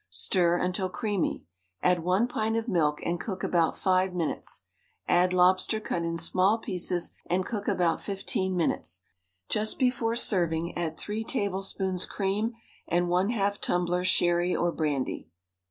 Stir until creamy. Add one pint of milk and cook about five minutes. Add lobster cut in small pieces and cook about fifteen minutes. Just before serving add three tablespoons cream and one half tumbler sherry or brandy.